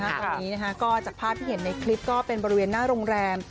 ตอนนี้ก็จากภาพที่เห็นในคลิปก็เป็นบริเวณหน้าโรงแรม